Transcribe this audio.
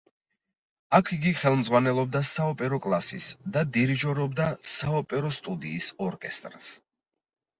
აქ იგი ხელმძღვანელობდა საოპერო კლასის და დირიჟორობდა საოპერო სტუდიის ორკესტრს.